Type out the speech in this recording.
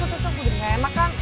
gua udah ga emak kan